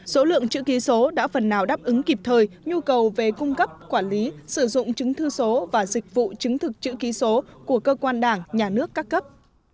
số lượng chữ ký số đã phần nào đáp ứng kịp thời nhu cầu về cung cấp quản lý sử dụng chứng thư số và dịch vụ chứng thực chữ ký số của cơ quan đảng nhà nước các cấp